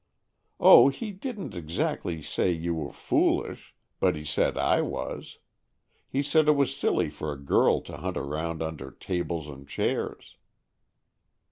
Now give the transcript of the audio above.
"Oh, he didn't exactly say you were foolish, but he said I was. He said it was silly for a girl to hunt around under tables and chairs."